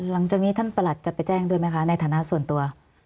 หลังจากนี้ท่านประหลัดจะไปแจ้งด้วยไหมคะในฐานะส่วนตัว